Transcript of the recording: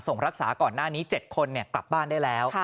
ส่งรักษาก่อนหน้านี้๗คนกลับบ้านได้แล้ว